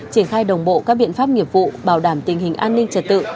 triển khai đồng bộ các biện pháp nghiệp vụ bảo đảm tình hình an ninh trật tự